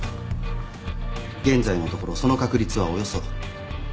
現在のところその確率はおよそ９０％。